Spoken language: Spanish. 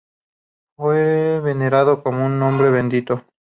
Fue venerado como un hombre bendito.